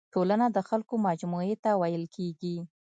ټولنه د خلکو مجموعي ته ويل کيږي.